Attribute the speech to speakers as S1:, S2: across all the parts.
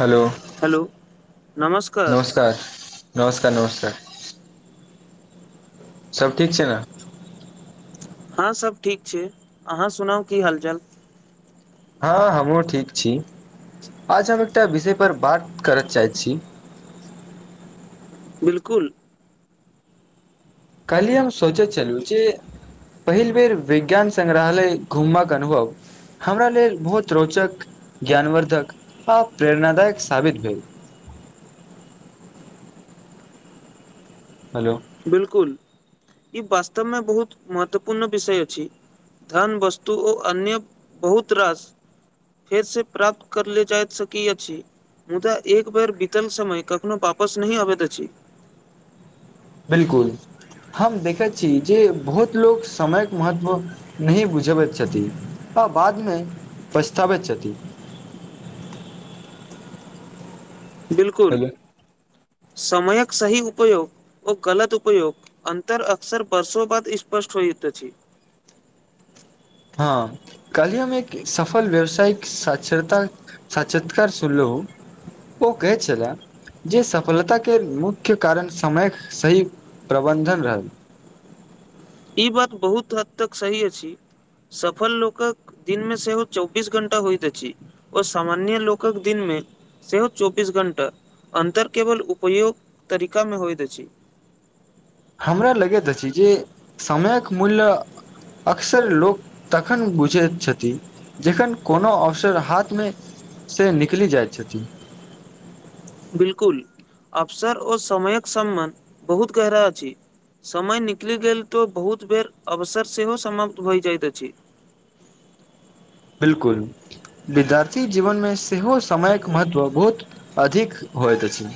S1: Hello
S2: hello
S1: नमस्कार नमस्कार नमस्कार सभ ठीक छै नऽ
S2: हँं सब ठीक छै अहाँ सुनाउ की हालचाल
S1: हँ हमहुँ ठीक छी आज हम एकटा विषय पर बात करत चाहैत छी
S2: बिल्कुल
S1: कल्हि हम सोचैत चलू जे पहिल बेेर विज्ञान संगग्रहालय घुमबाक अनुभव हमरा लेल बहुत रोचक ज्ञानवर्द्धक आ प्रेरणादायक साबित भेल हेलो
S2: बिलकुल ई वास्तव में बहुत महत्वपूर्ण विषय अछि धन वस्तु ओ अन्य बहुत रास फेर से प्राप्त करले जाइत सकैत अछि मुद्दा एक बेर बीतल समय कखनो वापस नहि अबैत अछि
S1: बिलकुल हम देखैत छी जे बहुत लोको समयक महत्व नहि बुझबैत छथि आ बाद में पछताबैत छथि
S2: बिलकुल
S1: हेलो
S2: समयक सही उपयोग ओ गलत उपयोग अन्तर अक्सर वर्षो बाद स्पष्ट होयत अछि।
S1: हँ काल्हि हम एक सफल व्यावसायिक साक्षरता साक्षात्कार सुनलौं ओ कहैत छला। जे सफलताके मुख्य कारण समयक सही प्रबन्धन रहल।
S2: ई बात बहुत हद तक सही अछि। सफल लोकक दिनमे सेहो चौबीस घंटा होइत अछि। ओ सामान्य लोकक दिनमे सेहो चौबीस घंटा अन्तर केवल उपयोग तरीका मे होइत अछि।
S1: हमरा लगैत अछि जे समयक मूल्य। अक्सर लोक तखन बुझैत छथि। जखन कोनो अवसर हाथमे से निकलि जाइत छथि।
S2: बिल्कुल अवसर ओ समयक सम्बंध बहुत गहरा अछि। समय निकलि गेल तऽ बहुत बेर अवसर सेहो समाप्त भए जाइत अछि।
S1: बिल्कुल विद्यार्थी जीवन मे सेहो समयक महत्व बहुत अधिक होइत अछि।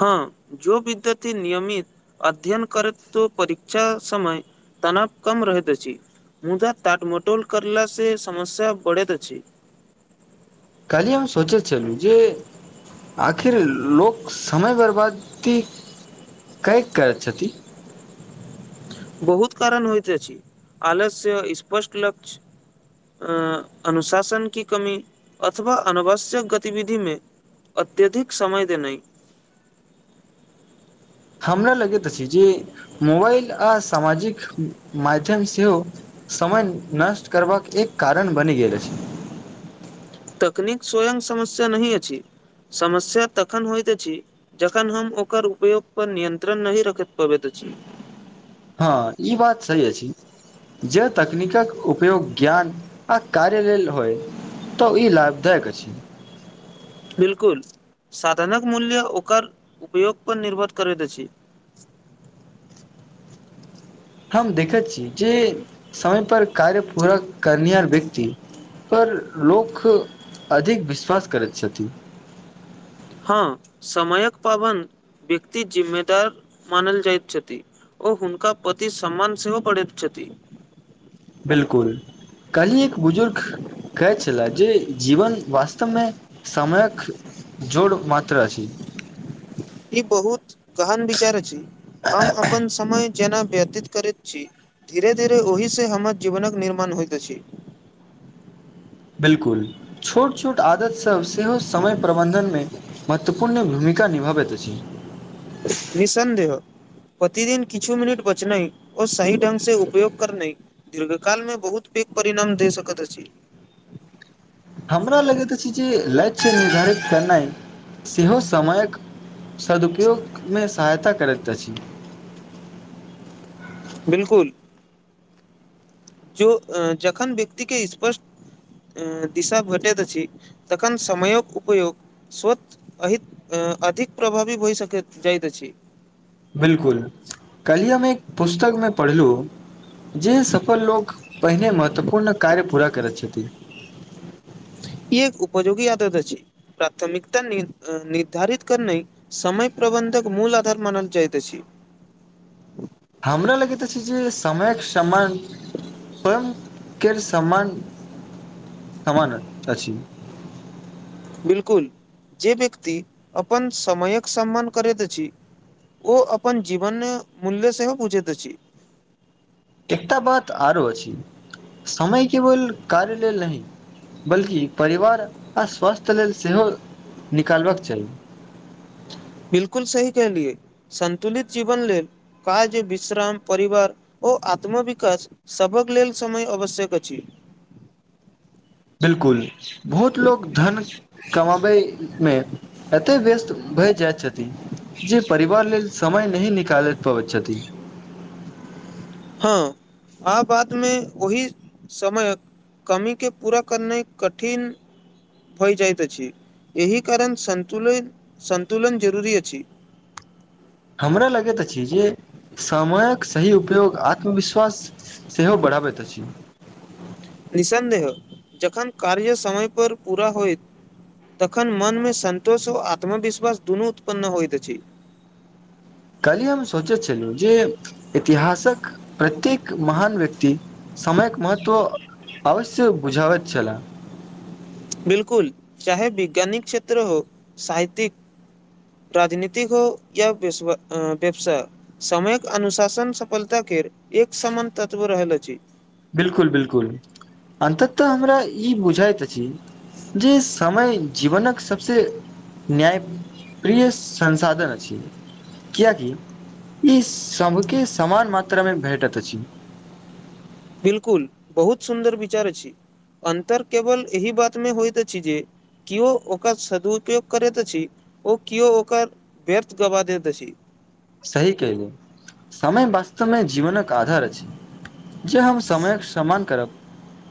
S2: हँ जो विद्यथी नियमित अध्ययन करैत तो परीक्षा समय तनाव कम रहैत अछि मुदा ताटमटोल करला से समस्या बढ़ैत अछि।
S1: कल्हि हम सोचैत छलू जे आखिर लोक समय बर्बादति कय करत छथि
S2: बहुत कारण होइत अछि आलस्य स्पष्ट लक्ष्य अ अनुशासन की कमी अथवा अनावश्यक गतिविधि मे अत्यधिक समय देनाइ
S1: हमरा लगैत अछि जे मोबाइल आ सामाजिक माध्यम सेहो समय नष्ट करबाक एक कारण बनि गेल अछि।
S2: तकनीक स्वयं समस्या नहि अछि समस्या तखन होइत अछि। जखन हम ओकर उपयोग पर नियंत्रण नहि रखत पबैत अछि।
S1: हँ ई बात सही अछि। जे तकनीकक उपयोग ज्ञान आ कार्य लेल होय। तऽ ई लाभदायक अछि।
S2: बिल्कुल साधनक मूल्य ओकर उपयोग पर निर्भर करैत अछि।
S1: हम देखैत छी जे समय पर कार्य पूरा करनिहार व्यक्ति। पर लोक अधिक विश्वास करैत छथि।
S2: हँ समयक पाबन व्यक्ति जिम्मेदार मानल जाइत छथि। ओ हुनका पति सम्मान सेहो बढ़ैत छथि।
S1: बिल्कुल कल्हि एक बुजुर्ग कहै छले जे जीवन वास्तवमे समयक जोर मात्र अछि।
S2: ई बहुत गहन विचार अछि हम अपन समय जेना व्यतीत करैत छी धीरे धीरे ओहि से हमर जीवनक निर्माण होइत अछि।
S1: बिल्कुल छोट छोट आदत सभ सेहो समय प्रबन्धनमे महत्वपूर्ण भूमिका निभाबैत अछि।
S2: निःसन्देह प्रतिदिन किछु मिनट बचनाइ ओ सही ढंग से उपयोग करनाइ दीर्घकाल मे बहुत पैघ परिणाम दे सकत अछि।
S1: हमरा लगैत अछि जे लक्ष्य निर्धारित करनाइ सेहो समयक। सदुपयोगमे सहायता करैत अछि
S2: बिलकुल जो जखन व्यक्ति के स्पष्ट ए दिशा भेटैत अछि तखन समयक उपयोग स्वत एहि अधिक प्रभावी भय सकैत जाइत अछि
S1: बिलकुल कलहि हम एक पुस्तकमे पढ़लु जे सफल लोक पहिने महत्वपूर्ण कार्य पूरा करैत छथि
S2: इ एक उपयोगी आदत अछि प्राथमिकता नि निर्धारित करने समय प्रबन्धक मूल आधार मानल जाइत अछि
S1: हमरा लगैतऽ अछि जे समयके समान स्वयं केर सम्मान सम्मान अछि।
S2: बिलकुल जे व्यक्ति अपन समयक सम्मान करैत अछि ओ अपन जीवन मूल्य सेहो बूझैत अछि
S1: एकटा बात आरो अछि समय केवल कार्य लेल नहि बल्कि परिवार आ स्वास्थ लेल सेहो निकालबाक चाही
S2: बिलकुल सही केहलियै संन्तुलित जीवन लेल काज विश्राम परिवार ओ आत्मविकाश‌ सभक लेल समय आवश्यक अछि
S1: बिलकुल बहुत लोक धन कमाबैमे एते व्यस्त भए जाइत छथिन जे परिवार लेल समय नहि निकाल पबै‌ छथि
S2: ह आहा बादमे ओहि समयक कमीके पूरा करनाय कठिन होय जाइत अछि एहि कारण सतुन सन्तुलन जरूुरी अछि
S1: हमरा लगैत अछि जे समामयक सही उपयोग आत्मविश्वास सेहो बढ़ाबैत अछि
S2: निसन्देह जखन कार्य समय पर पूरा होय तखन मन मे संन्तोष आ आत्मविश्वास दुनू उत्पन्न होइत अछि।
S1: काल्हि हम सोचैत छलहुँ जे इतिहासक प्रत्येक महान व्यक्ति। समयक महत्व अवश्य बुझाबे छलाह [unintelligible]
S2: बिल्कुल चाहे विज्ञानिक क्षेत्र हो साहितिक राजनीतिक हो या वेसव व्यवसाय। समयक अनुशासन सफलताकेर एक समान तत्व रहल अछि।
S1: बिल्कुल बिलकुल अन्ततः हमरा ई बुझैत अछि। जे समय जीवनक सबसे न्याय प्रिय संसाधन अछि। कियकि इ सभके समान मात्रामे भेटत अछि
S2: बिलकुल बहुत सुन्दर विचार अछि। अन्तर केवल एहि बात मे होइत अछि जे किओ ओकर सदुपयोग करैत अछि ओ केओ ओकर व्यर्थ गवा दैत अछि।
S1: सही केहलीयै समय वास्तवमे जीवनक आधार अछि। जे हम समयके सम्मान करब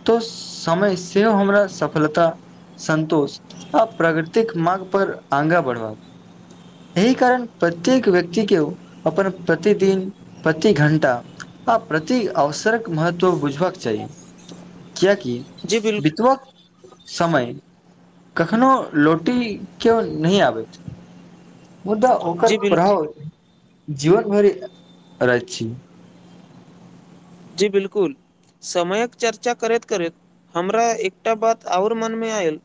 S1: तऽ समय सेहो हमरा सफलता सतोष आ प्रागग्रतिक मार्ग पर आगा बढ़ब एहि कारण प्रत्येक व्यक्ति के अपन प्रतिदिन प्रति घण्टा। आब प्रति अवसरक महत्व बुझबाक चाही कियकि।
S2: जी बिल
S1: बितवऽ। समय कखनो लोटी केओ नहि आबैत। मुदा ओकर
S2: जी बिल्कुल
S1: प्रभाव जीवन भरि रह छी
S2: जी बिलकुल। समयक चर्चा करैत करैत हमरा एकटा बात आओर मनमे आयल।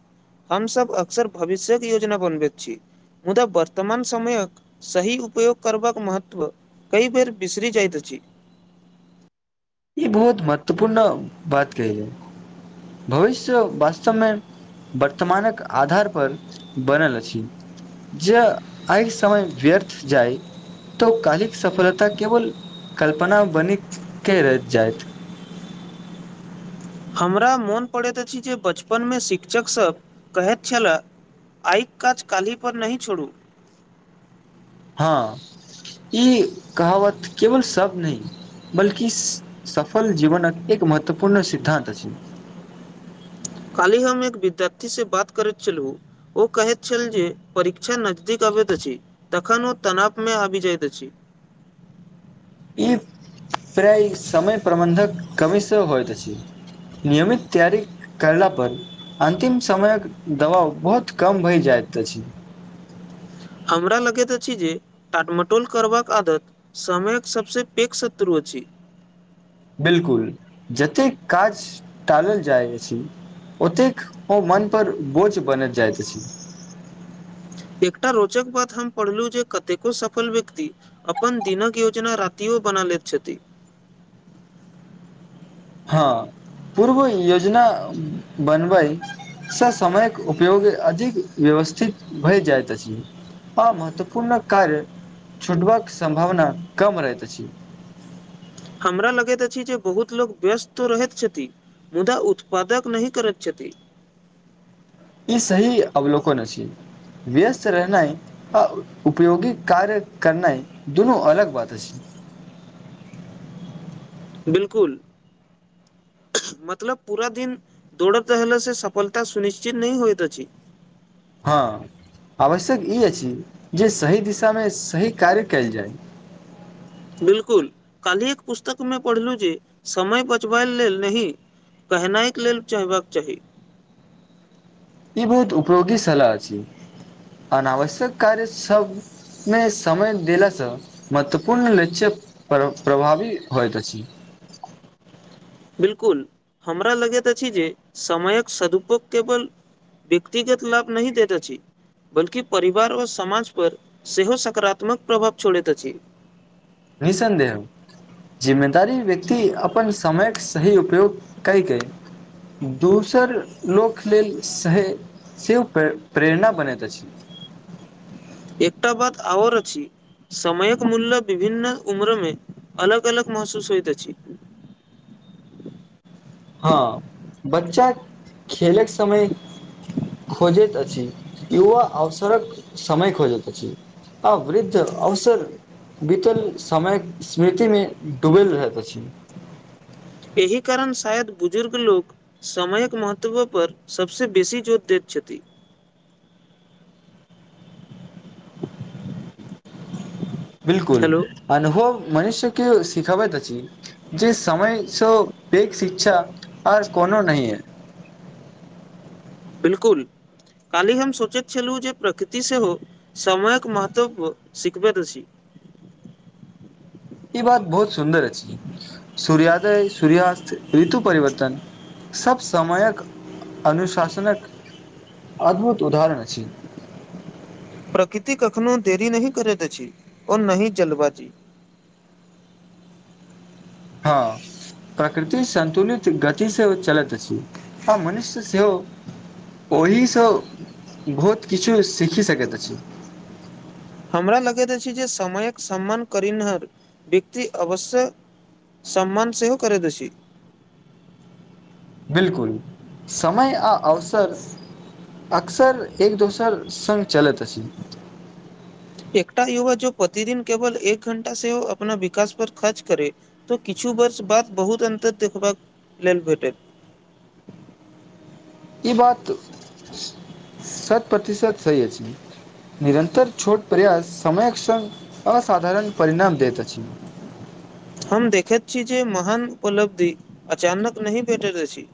S2: हमसभ अक्सर भविष्यक योजना बनबैत छी मुदा वर्तमान समय। सही उपयोग करबाक महत्व कई बेर बिसरी जाइत अछि।
S1: ई बहुत महत्वपूर्ण बात कहै या। भविष्य वास्तवमे वर्तमानक आधार पर बनल अ जऽ आइ समय व्यर्थ जाय। [unintelligible] तऽ काल्हिक सफलता केवल कल्पना बनी के रैह जायइत
S2: हमरा मोन पड़ैत अछि जे बचपनमे शिक्षकसभ कहैत छलए आइक काज काल्हि पर नहि छोड़ू
S1: हँ ई कहावत केवल शब्द नहि। बल्कि सफल जीवनक एक महत्वपूर्ण सिद्धान्त अछि।
S2: कालहि हम एक विद्यार्थी से बात करैत चलू। ओ कहैत छल जे परीक्षा नजदीक अबैत अछि तखन ओ तनाबमे आबि जाइत अछि।
S1: ई प्राय समय प्रबन्धक कमीसँ होइत अछि। नियमित तैयरी करला पर। अंतिम समयक दबाव बहुत कम भय जाइत अछि।
S2: हमरा लगैत अछि जे टाटमटोल करबाक आदत समयक सबस पैघ शत्रु अछि।
S1: बिलकुल जतेक काज टालल जाय अछि। [unintelligible] ओतेक ओ मन पर बोझ बनैत जाइत अछि। [unintelligible]
S2: एकटा रोचक बात हम पढ़लू जे कतेको सफल व्यक्ति। अपन दिनक योजना रतियो बना लेत छथिन
S1: हँ पूर्व योजना बनबै स समयक उपयोग अधिक व्यवस्थित भइ जाइत अछि। आ महत्वपूर्ण कार्य छूटबाक संभावना कम रहैत अछि।
S2: हमरा लगैत अछि जे बहुत लोक व्यस्त तो रहैत छथि। मुदा उत्पादक नहि करैत छथि।
S1: ई सही अवलोकन अछि व्यस्त रहनाइ। आ उपयोगी कार्य करना दुनू अलग बात अछि।
S2: बिल्कुल। मतलब पूरा दिन दौड़त रहला से सफलता सुनिश्चित नहि होइत अछि।
S1: हँ आवश्यक ई अछि जे सही दिशामे सही कार्य कयल जाय।
S2: बिल्कुल काल्हि एक पुस्तक मे पढ़लहु जे समय बचबाय लेल नहि पहनाई के लेल चाहबाक चाहि।
S1: ई बहुत उपयोगी सलाह अछि अनावश्यक कार्य सब मे समय देलासँ महत्वपूर्ण लक्ष्यक प्रभावी होइत अछि।
S2: बिलकुल हमरा लगैत अछि जे समयक सदुपोग केवल। व्यक्तिगत लाभ नहि देत अछि। बल्कि परिवार अ समाज पर सेहो सकरात्मक प्रभाव छोड़ैत अछि।
S1: निसंदेह। जिम्मेदारी व्यक्ति अपन समयक सही उपयोग कैके। दोसर लोक लेल सहे सेहो फेर प्रेरणा बनैत अछि।
S2: एकटा बात आओर अछि समयक मूल्य विभन्न उम्रमे अलग- अलग महसूस होइत अछि।
S1: हँ बच्चा खेलक समय खोजैत अछि युवा अवसरक समय खोजेत अछि आ वृद्ध अवसर बीतल समयक स्मृतिमे डूबल रहैत अछि
S2: एहि कारण शायद बुजुर्ग लोक समयक महत्व पर सबसे बेसी जोत दैत छथि।
S1: बिल्कुल
S2: हेलो
S1: अनुभव मनुष्यके सिखबैत अछि जे समयसँ पैघ शिक्षा आओर कोनो नही अय
S2: बिल्कुल। काल्हि हम सोचैत छेलु जे प्रकृति सेहो समयक महत्व सिखबैत अछि।
S1: ई बात बहुत सुन्दर अछि सूर्यादय सूर्यास्त ऋतु परिवर्तन सब समयक अनुशासनक अद्भुत उदाहरण अछि
S2: प्रकृति कखनो देरी नहि करैत अछि ओ नहि जल्दबाजी
S1: हँ। प्रकृति संन्तुलित गति से चलैत अछि आ मनुष्य सेहो ओहिसँ बहुत किछु सीखि सकैत अछि।
S2: हमरा लगैत अछि जे समयक सम्मान करनिहार व्यक्ति अवश्य सम्मान सेहो करैत अछि
S1: बिल्कुल समय आ अवसर अक्सर एक दोसर सङ्ग चलैत अछि।
S2: एकटा युवा जो प्रतिदिन केवल एक घण्टा सेहो अपना विकास पर खर्च करे। तऽ किछु वर्ष बाद बहुत अन्तर देखबाक लेल भेटैत
S1: ई बात शत- प्रतिशत सही अछि निरन्तर छोट प्रयास समयक सङ्ग असाधारण परिणाम दैत अछि।
S2: हम देखैत छी जे महान उपलब्धि अचानक नहि भेटैत अछि।